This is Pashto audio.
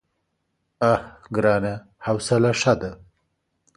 _اه ګرانه! حوصله ښه ده.